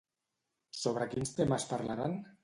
Sobre quins temes parlaran?